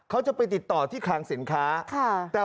มีคู่จะไปติดต่อที่รถครางสินค้า